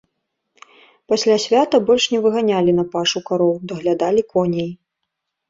Пасля свята больш не выганялі на пашу кароў, даглядалі коней.